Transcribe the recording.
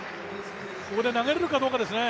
ここで投げられるかどうかですね。